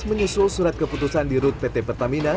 menyusul surat keputusan di rut pt pertamina